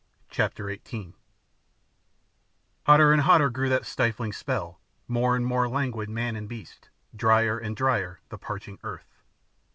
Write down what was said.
CHAPTER XVIII Hotter and hotter grew that stifling spell, more and more languid man and beast, drier and drier the parching earth.